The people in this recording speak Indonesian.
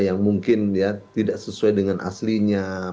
yang mungkin ya tidak sesuai dengan aslinya